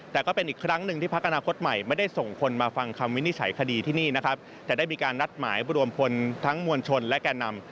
แต่ได้มีการนัดหมายบรวมพลทั้งมวลชนและแก่นำ